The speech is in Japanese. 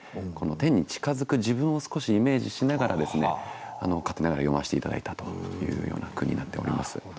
天に近づく自分を少しイメージしながら勝手ながら詠ませて頂いたというような句になっております。